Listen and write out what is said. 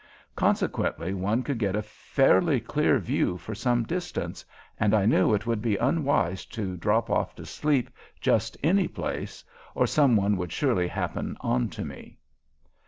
Consequently, one could get a fairly clear view for some distance, and I knew it would be unwise to drop off to sleep just any place, or some one would surely happen onto me.